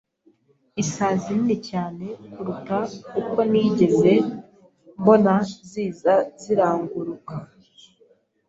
Isazi nini cyane kuruta uko nigeze mbona ziza ziranguruka.